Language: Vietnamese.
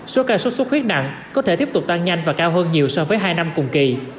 số ca sốt xuất huyết nặng có thể tiếp tục tăng nhanh và cao hơn nhiều so với hai năm cùng kỳ